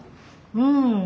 うん。